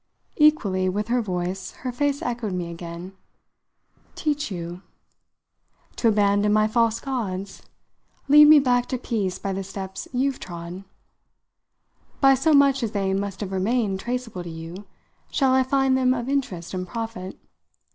Equally with her voice her face echoed me again. "Teach you?" "To abandon my false gods. Lead me back to peace by the steps you've trod. By so much as they must have remained traceable to you, shall I find them of interest and profit.